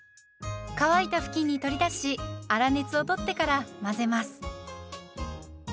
乾いた布巾に取り出し粗熱を取ってから混ぜます。